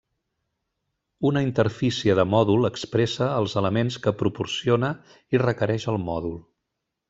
Una interfície de mòdul expressa els elements que proporciona i requereix el mòdul.